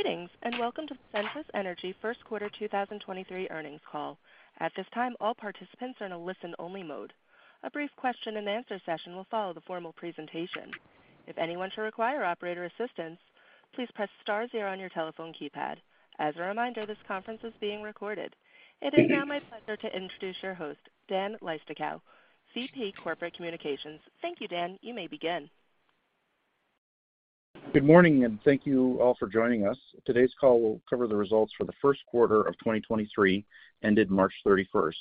Greetings, and welcome to the Centrus Energy First Quarter 2023 Earnings Call. At this time, all participants are in a listen-only mode. A brief question and answer session will follow the formal presentation. If anyone should require operator assistance, please press star zero on your telephone keypad. As a reminder, this conference is being recorded. It is now my pleasure to introduce your host, Dan Leistikow, VP, Corporate Communications. Thank you, Dan. You may begin. Good morning. Thank you all for joining us. Today's call will cover the results for the 1st Quarter of 2023, ended March 31st.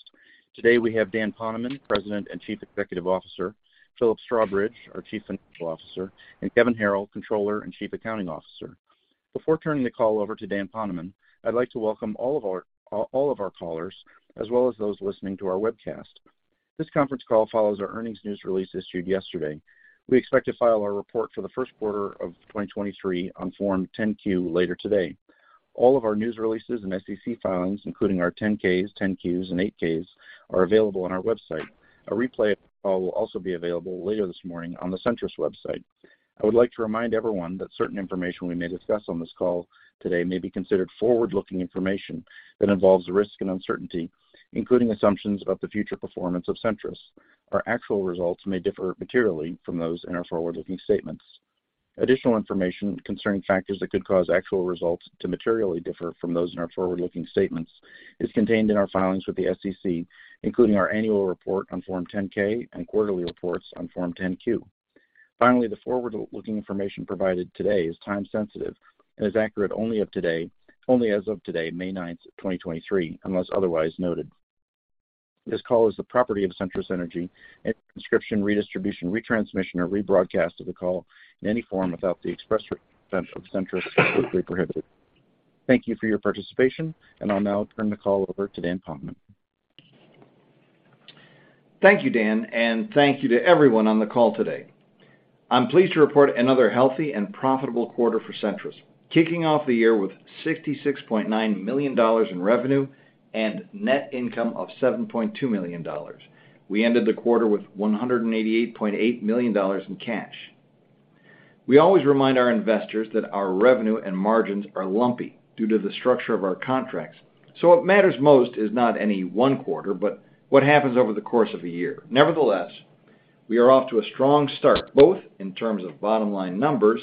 Today, we have Dan Poneman, President and Chief Executive Officer, Philip Strawbridge, our Chief Financial Officer, and Kevin Harrill, Controller and Chief Accounting Officer. Before turning the call over to Dan Poneman, I'd like to welcome all of our callers, as well as those listening to our webcast. This conference call follows our earnings news release issued yesterday. We expect to file our report for the 1st Quarter of 2023 on Form 10-Q later today. All of our news releases and SEC filings, including our 10-Ks, 10-Qs, and 8-Ks, are available on our website. A replay of the call will also be available later this morning on the Centrus website. I would like to remind everyone that certain information we may discuss on this call today may be considered forward-looking information that involves risk and uncertainty, including assumptions about the future performance of Centrus. Our actual results may differ materially from those in our forward-looking statements. Additional information concerning factors that could cause actual results to materially differ from those in our forward-looking statements is contained in our filings with the SEC, including our annual report on Form 10-K and quarterly reports on Form 10-Q. Finally, the forward-looking information provided today is time sensitive and is accurate only as of today, May 9th, 2023, unless otherwise noted. This call is the property of Centrus Energy. Any transcription, redistribution, retransmission, or rebroadcast of the call in any form without the express written consent of Centrus is strictly prohibited. Thank you for your participation, and I'll now turn the call over to Dan Poneman. Thank you, Dan. Thank you to everyone on the call today. I'm pleased to report another healthy and profitable quarter for Centrus, kicking off the year with $66.9 million in revenue and net income of $7.2 million. We ended the quarter with $188.8 million in cash. We always remind our investors that our revenue and margins are lumpy due to the structure of our contracts, so what matters most is not any one quarter, but what happens over the course of a year. Nevertheless, we are off to a strong start, both in terms of bottom line numbers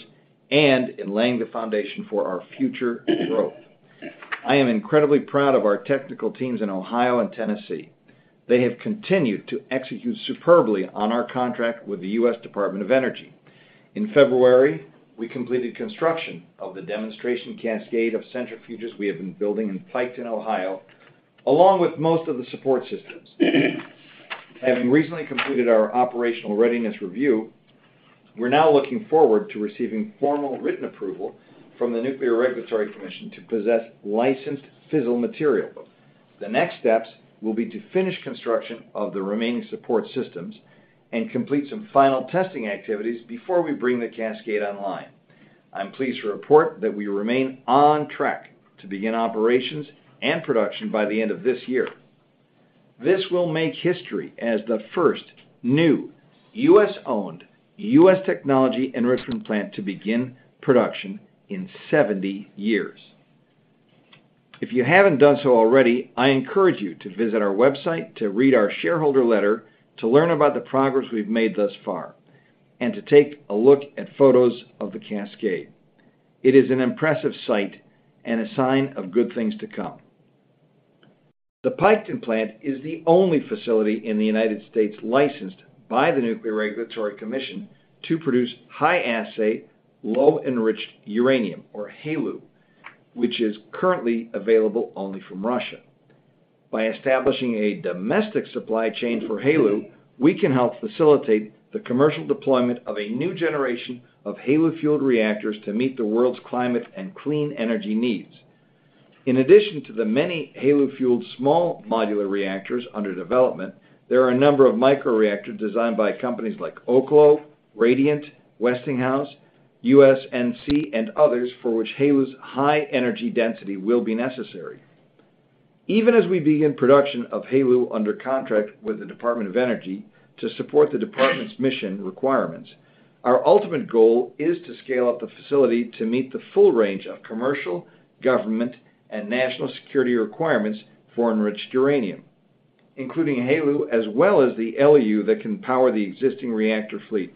and in laying the foundation for our future growth. I am incredibly proud of our technical teams in Ohio and Tennessee. They have continued to execute superbly on our contract with the US Department of Energy. In February, we completed construction of the demonstration cascade of centrifuges we have been building in Piketon, Ohio, along with most of the support systems. Having recently completed our Operational Readiness Review, we're now looking forward to receiving formal written approval from the Nuclear Regulatory Commission to possess licensed fissile material. The next steps will be to finish construction of the remaining support systems and complete some final testing activities before we bring the cascade online. I'm pleased to report that we remain on track to begin operations and production by the end of this year. This will make history as the first new U.S.-owned, U.S. technology enrichment plant to begin production in 70 years. If you haven't done so already, I encourage you to visit our website to read our shareholder letter to learn about the progress we've made thus far and to take a look at photos of the cascade. It is an impressive sight and a sign of good things to come. The Piketon plant is the only facility in the United States licensed by the Nuclear Regulatory Commission to produce high assay, low enriched uranium, or HALEU, which is currently available only from Russia. By establishing a domestic supply chain for HALEU, we can help facilitate the commercial deployment of a new generation of HALEU-fueled reactors to meet the world's climate and clean energy needs. In addition to the many HALEU-fueled small modular reactors under development, there are a number of microreactors designed by companies like Oklo, Radiant, Westinghouse, USNC, and others, for which HALEU's high energy density will be necessary. Even as we begin production of HALEU under contract with the Department of Energy to support the department's mission requirements, our ultimate goal is to scale up the facility to meet the full range of commercial, government, and national security requirements for enriched uranium, including HALEU as well as the LEU that can power the existing reactor fleet.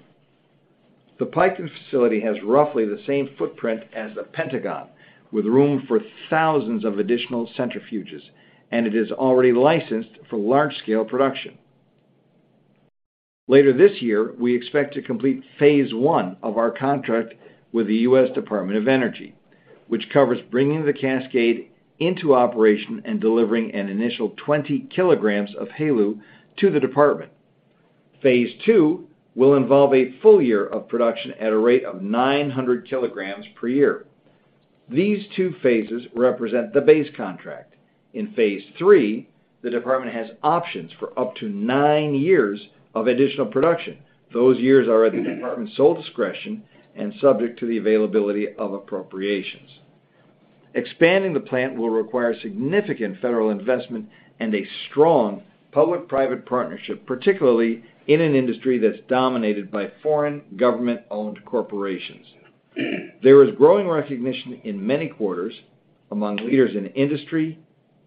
The Piketon facility has roughly the same footprint as the Pentagon, with room for thousands of additional centrifuges, and it is already licensed for large scale production. Later this year, we expect to complete phase one of our contract with the US Department of Energy, which covers bringing the cascade into operation and delivering an initial 20 kilograms of HALEU to the department. Phase two will involve a full year of production at a rate of 900 kg per year. These two phases represent the base contract. In phase three, the department has options for up to nine years of additional production. Those years are at the department's sole discretion and subject to the availability of appropriations. Expanding the plant will require significant federal investment and a strong public-private partnership, particularly in an industry that's dominated by foreign government-owned corporations. There is growing recognition in many quarters among leaders in industry,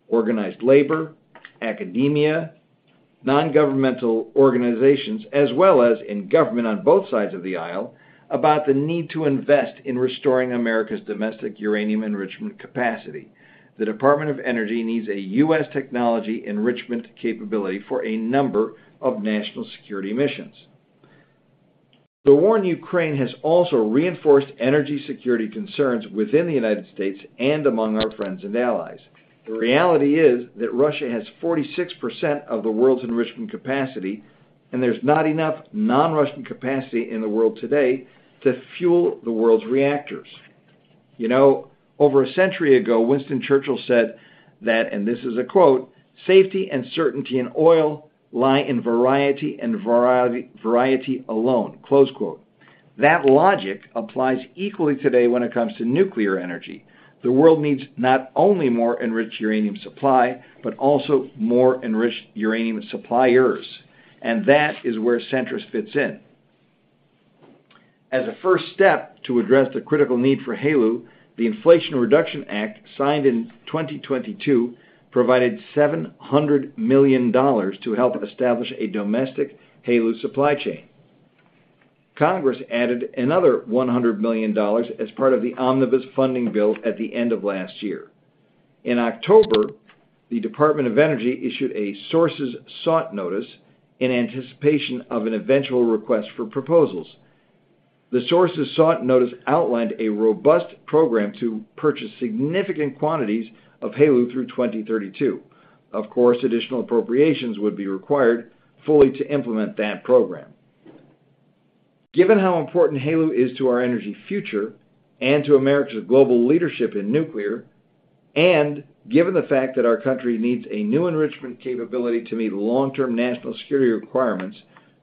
organized labor, academia, nongovernmental organizations, as well as in government on both sides of the aisle about the need to invest in restoring America's domestic uranium enrichment capacity. The Department of Energy needs a U.S. technology enrichment capability for a number of national security missions. The war in Ukraine has also reinforced energy security concerns within the United States and among our friends and allies. The reality is that Russia has 46% of the world's enrichment capacity, and there's not enough non-Russian capacity in the world today to fuel the world's reactors. You know, over a century ago, Winston Churchill said that, and this is a quote, "Safety and certainty in oil lie in variety and variety alone." Close quote. That logic applies equally today when it comes to nuclear energy. The world needs not only more enriched uranium supply, but also more enriched uranium suppliers. That is where Centrus fits in. As a first step to address the critical need for HALEU, the Inflation Reduction Act, signed in 2022, provided $700 million to help establish a domestic HALEU supply chain. Congress added another $100 million as part of the omnibus funding bill at the end of last year. In October, the Department of Energy issued a Sources Sought notice in anticipation of an eventual request for proposals. The Sources Sought notice outlined a robust program to purchase significant quantities of HALEU through 2032. Of course, additional appropriations would be required fully to implement that program. Given how important HALEU is to our energy future and to America's global leadership in nuclear, and given the fact that our country needs a new enrichment capability to meet long-term national security requirements,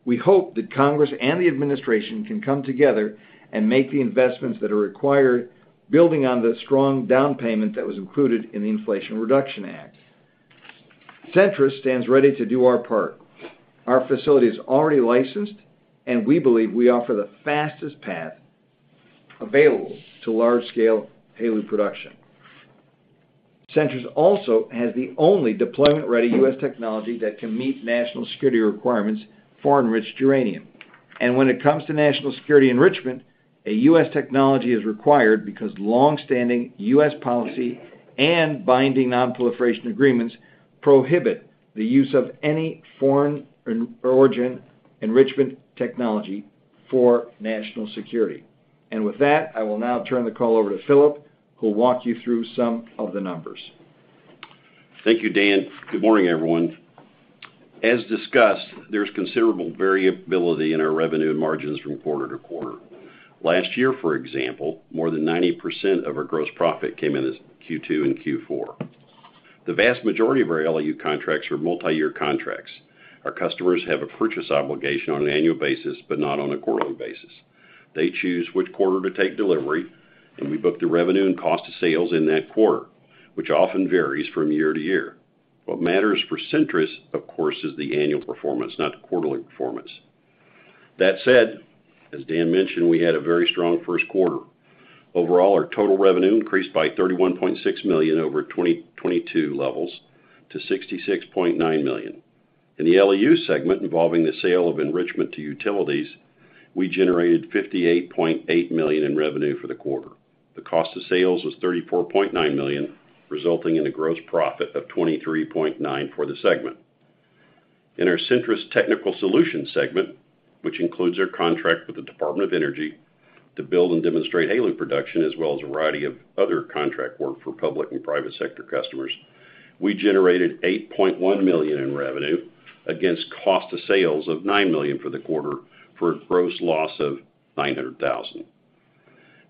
we hope that Congress and the administration can come together and make the investments that are required, building on the strong down payment that was included in the Inflation Reduction Act. Centrus stands ready to do our part. Our facility is already licensed, and we believe we offer the fastest path available to large-scale HALEU production. Centrus also has the only deployment-ready U.S. technology that can meet national security requirements for enriched uranium. When it comes to national security enrichment, a U.S. technology is required because long-standing U.S. policy and binding non-proliferation agreements prohibit the use of any foreign origin enrichment technology for national security. With that, I will now turn the call over to Philip, who'll walk you through some of the numbers. Thank you, Dan. Good morning, everyone. As discussed, there's considerable variability in our revenue and margins from quarter to quarter. Last year, for example, more than 90% of our gross profit came in as Q2 and Q4. The vast majority of our LEU contracts are multiyear contracts. Our customers have a purchase obligation on an annual basis, but not on a quarterly basis. They choose which quarter to take delivery. We book the revenue and cost of sales in that quarter, which often varies from year to year. What matters for Centrus, of course, is the annual performance, not the quarterly performance. That said, as Dan mentioned, we had a very strong first quarter. Overall, our total revenue increased by $31.6 million over 2022 levels to $66.9 million. In the LEU segment involving the sale of enrichment to utilities, we generated $58.8 million in revenue for the quarter. The cost of sales was $34.9 million, resulting in a gross profit of $23.9 million for the segment. In our Centrus Technical Solutions segment, which includes our contract with the Department of Energy to build and demonstrate HALEU production, as well as a variety of other contract work for public and private sector customers, we generated $8.1 million in revenue against cost of sales of $9 million for the quarter for a gross loss of $900,000.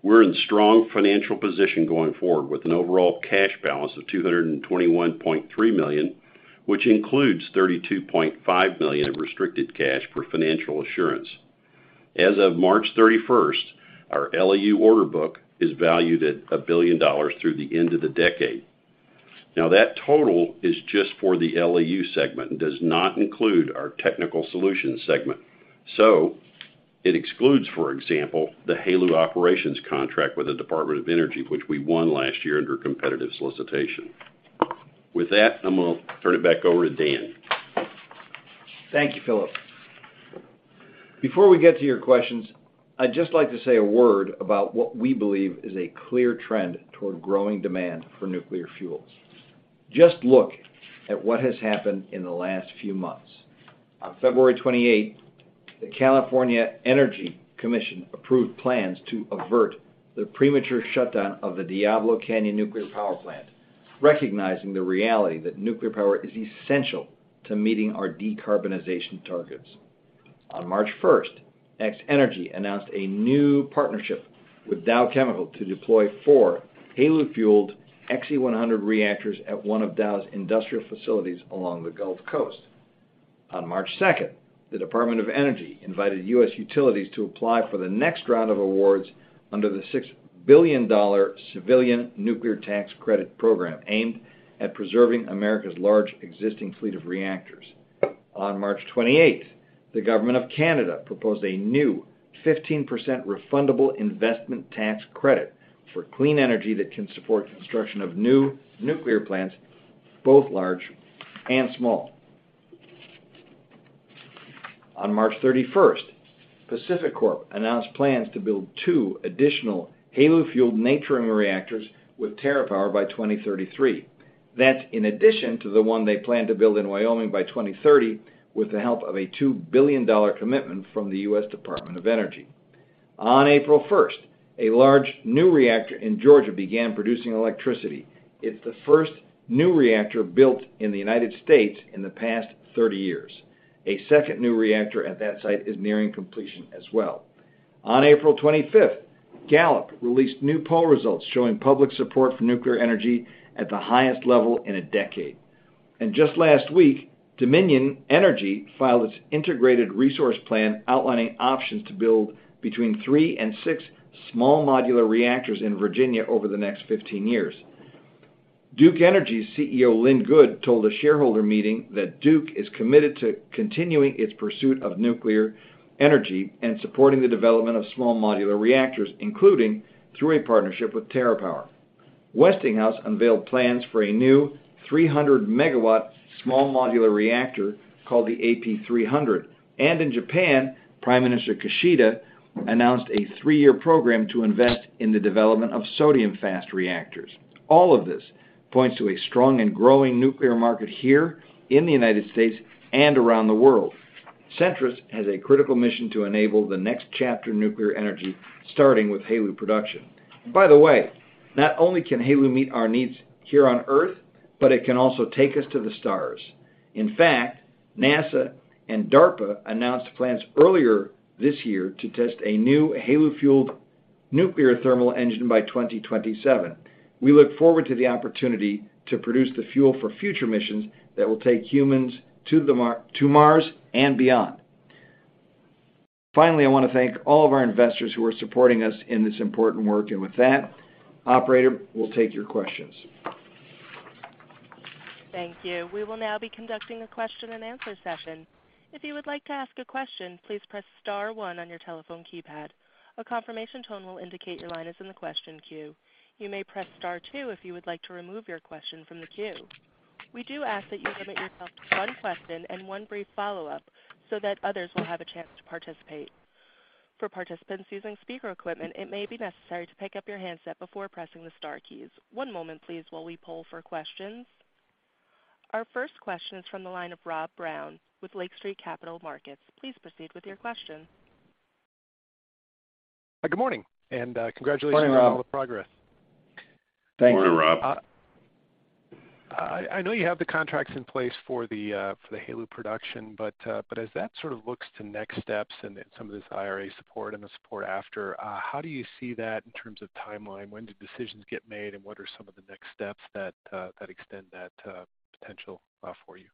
We're in strong financial position going forward with an overall cash balance of $221.3 million, which includes $32.5 million in restricted cash for financial assurance. As of March 31st, our LEU order book is valued at $1 billion through the end of the decade. That total is just for the LEU segment and does not include our Technical Solutions segment. It excludes, for example, the HALEU operations contract with the Department of Energy, which we won last year under competitive solicitation. With that, I'm gonna turn it back over to Dan. Thank you, Philip. Before we get to your questions, I'd just like to say a word about what we believe is a clear trend toward growing demand for nuclear fuels. Just look at what has happened in the last few months. On February 28, the California Energy Commission approved plans to avert the premature shutdown of the Diablo Canyon Nuclear Power Plant, recognizing the reality that nuclear power is essential to meeting our decarbonization targets. On March 1st, X-energy announced a new partnership with Dow to deploy four HALEU-fueled Xe-100 reactors at one of Dow's industrial facilities along the Gulf Coast. On March 2nd, the Department of Energy invited U.S. utilities to apply for the next round of awards under the $6 billion Civil Nuclear Credit Program aimed at preserving America's large existing fleet of reactors. On March 28th, the Government of Canada proposed a new 15% refundable investment tax credit for clean energy that can support construction of new nuclear plants, both large and small. On March 31st, PacifiCorp announced plans to build two additional HALEU-fueled Natrium reactors with TerraPower by 2033. That's in addition to the one they plan to build in Wyoming by 2030, with the help of a $2 billion commitment from the US Department of Energy. On April 1st, a large new reactor in Georgia began producing electricity. It's the first new reactor built in the United States in the past 30 years. A second new reactor at that site is nearing completion as well. On April 25th, Gallup released new poll results showing public support for nuclear energy at the highest level in a decade. Just last week, Dominion Energy filed its Integrated Resource Plan, outlining options to build between 3 and 6 small modular reactors in Virginia over the next 15 years. Duke Energy CEO Lynn Good told a shareholder meeting that Duke is committed to continuing its pursuit of nuclear energy and supporting the development of small modular reactors, including through a partnership with TerraPower. Westinghouse unveiled plans for a new 300 MW small modular reactor called the AP300. In Japan, Prime Minister Kishida announced a 3-year program to invest in the development of sodium fast reactors. All of this points to a strong and growing nuclear market here in the United States and around the world. Centrus has a critical mission to enable the next chapter in nuclear energy, starting with HALEU production. By the way, not only can HALEU meet our needs here on Earth, but it can also take us to the stars. In fact, NASA and DARPA announced plans earlier this year to test a new HALEU-fueled nuclear thermal engine by 2027. We look forward to the opportunity to produce the fuel for future missions that will take humans to Mars and beyond. Finally, I wanna thank all of our investors who are supporting us in this important work. With that, operator, we'll take your questions. Thank you. We will now be conducting a question-and-answer session. If you would like to ask a question, please press star one on your telephone keypad. A confirmation tone will indicate your line is in the question queue. You may press star two if you would like to remove your question from the queue. We do ask that you limit yourself to one question and one brief follow-up so that others will have a chance to participate. For participants using speaker equipment, it may be necessary to pick up your handset before pressing the star keys. One moment, please, while we poll for questions. Our first question is from the line of Rob Brown with Lake Street Capital Markets. Please proceed with your question. Good morning, congratulations. Morning, Rob. On the progress. Thanks. Morning, Rob. I know you have the contracts in place for the HALEU production. As that sort of looks to next steps and then some of this IRA support and the support after, how do you see that in terms of timeline? When do decisions get made, and what are some of the next steps that extend that potential for you?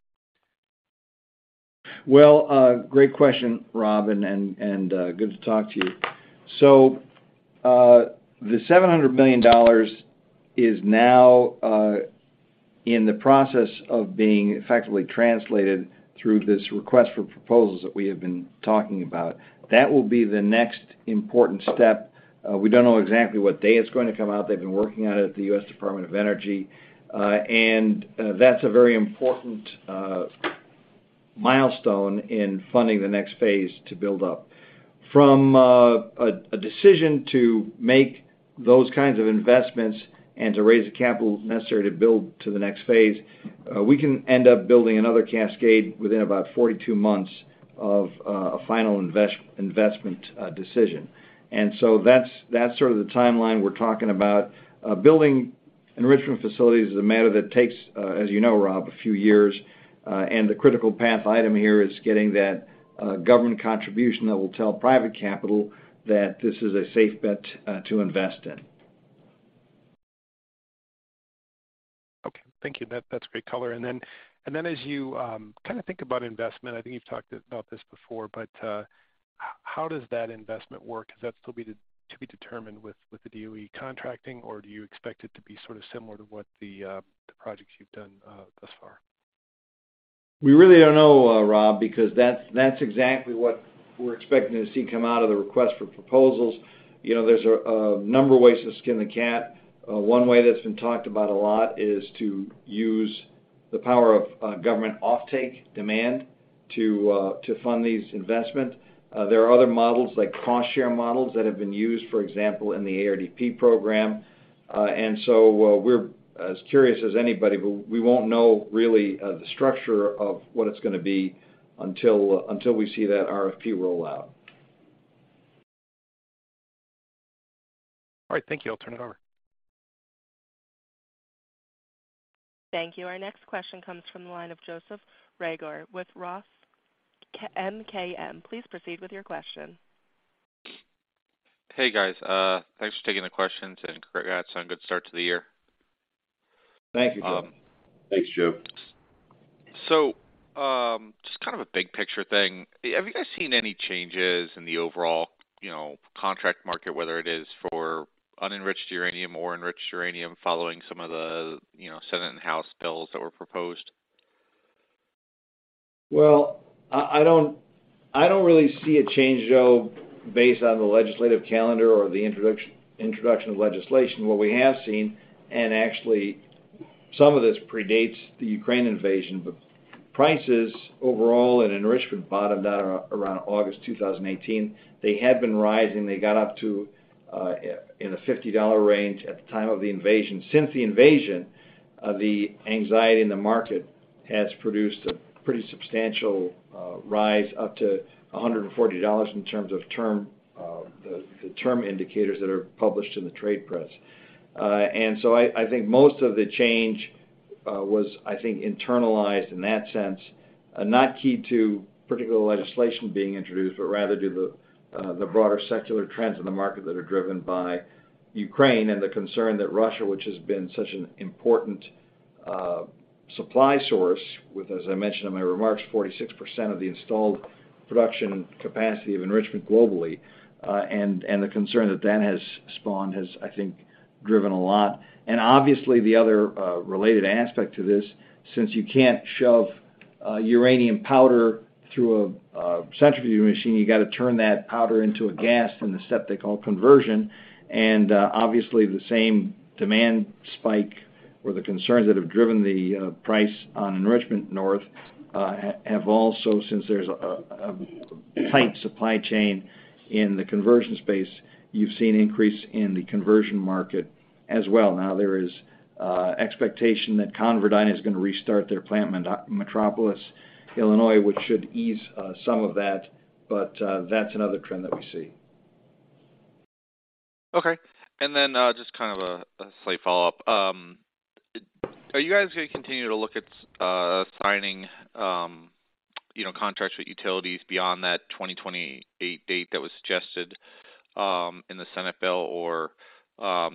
Well, great question, Rob, and good to talk to you. The $700 million is now in the process of being effectively translated through this request for proposals that we have been talking about. That will be the next important step. We don't know exactly what day it's going to come out. They've been working on it at the US Department of Energy. That's a very important milestone in funding the next phase to build up. From a decision to make those kinds of investments and to raise the capital necessary to build to the next phase, we can end up building another Cascade within about 42 months of a final investment decision. That's sort of the timeline we're talking about. Building enrichment facilities is a matter that takes, as you know, Rob, a few years. The critical path item here is getting that government contribution that will tell private capital that this is a safe bet to invest in. Okay. Thank you. That's great color. As you kinda think about investment, I think you've talked about this before, how does that investment work? Is that still to be determined with the DOE contracting, or do you expect it to be sort of similar to what the projects you've done thus far? We really don't know, Rob, because that's exactly what we're expecting to see come out of the request for proposals. You know, there's a number of ways to skin the cat. One way that's been talked about a lot is to use the power of government offtake demand to fund these investment. There are other models like cost share models that have been used, for example, in the ARDP program. We're as curious as anybody, but we won't know really the structure of what it's gonna be until we see that RFP roll out. All right. Thank you. I'll turn it over. Thank you. Our next question comes from the line of Joseph Reagor with Roth MKM. Please proceed with your question. Hey, guys. Thanks for taking the questions and congrats on good start to the year. Thank you, Joe. Thanks, Joe. Just kind of a big picture thing. Have you guys seen any changes in the overall, you know, contract market, whether it is for unenriched uranium or enriched uranium, following some of the, you know, Senate and House bills that were proposed? Well, I don't really see a change, Joe, based on the legislative calendar or the introduction of legislation. What we have seen, actually some of this predates the Ukraine invasion, but prices overall and enrichment bottomed out around August 2018. They had been rising. They got up to in the $50 range at the time of the invasion. Since the invasion, the anxiety in the market has produced a pretty substantial rise up to $140 in terms of term, the term indicators that are published in the trade press. I think most of the change was, I think, internalized in that sense, not key to particular legislation being introduced, but rather to the broader secular trends in the market that are driven by Ukraine and the concern that Russia, which has been such an important supply source with, as I mentioned in my remarks, 46% of the installed production capacity of enrichment globally, and the concern that that has spawned has, I think, driven a lot. Obviously, the other related aspect to this, since you can't shove uranium powder through a centrifuge machine, you gotta turn that powder into a gas from the step they call conversion. Obviously the same demand spike or the concerns that have driven the price on enrichment north, have also, since there's a tight supply chain in the conversion space, you've seen increase in the conversion market as well. Now there is expectation that ConverDyn is gonna restart their plant in Metropolis, Illinois, which should ease some of that's another trend that we see. Okay. Just kind of a slight follow-up. Are you guys gonna continue to look at signing, you know, contracts with utilities beyond that 2028 date that was suggested in the Senate bill? Or,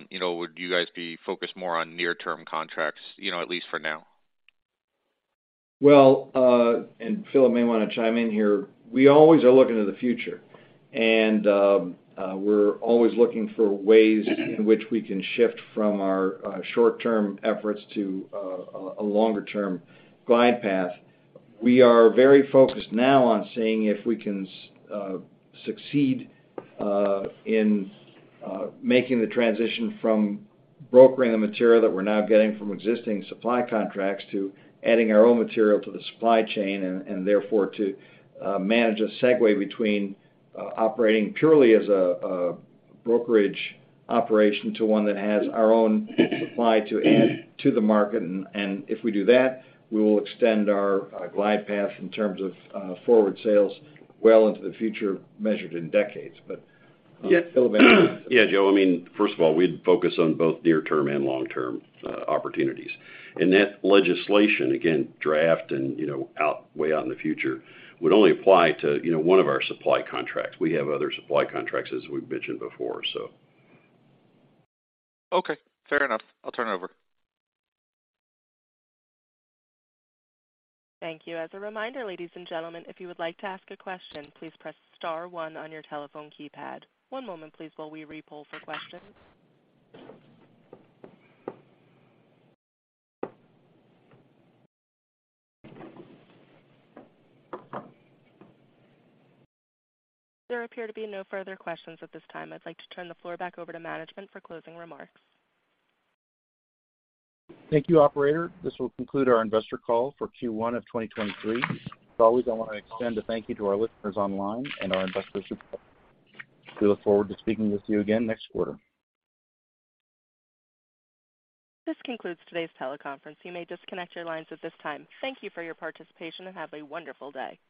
you know, would you guys be focused more on near-term contracts, you know, at least for now? Well, and Philip may wanna chime in here. We always are looking to the future, we're always looking for ways in which we can shift from our short-term efforts to a longer-term glide path. We are very focused now on seeing if we can succeed in making the transition from brokering the material that we're now getting from existing supply contracts to adding our own material to the supply chain and therefore to manage a segue between operating purely as a brokerage operation to one that has our own supply to add to the market. If we do that, we will extend our glide path in terms of forward sales well into the future measured in decades. Philip yeah. Yeah, Joe, I mean, first of all, we'd focus on both near-term and long-term opportunities. That legislation, again, draft and, you know, way out in the future, would only apply to, you know, one of our supply contracts. We have other supply contracts, as we've mentioned before, so. Okay, fair enough. I'll turn it over. Thank you. As a reminder, ladies and gentlemen, if you would like to ask a question, please press star one on your telephone keypad. One moment please while we re-poll for questions. There appear to be no further questions at this time. I'd like to turn the floor back over to management for closing remarks. Thank you, operator. This will conclude our investor call for Q1 of 2023. As always, I wanna extend a thank you to our listeners online and our investors. We look forward to speaking with you again next quarter. This concludes today's teleconference. You may disconnect your lines at this time. Thank you for your participation, and have a wonderful day.